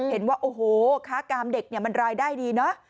เห็นว่าโอ้โหค้ากามเด็กเนี่ยมันรายได้ดีเนอะ